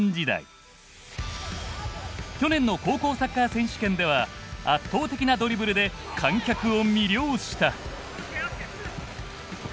去年の高校サッカー選手権では圧倒的なドリブルで観客を魅了した。